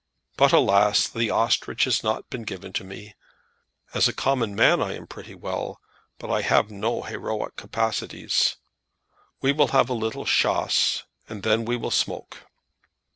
But alas! the ostrich has not been given to me. As a common man I am pretty well, but I have no heroic capacities. We will have a little chasse, and then we will smoke."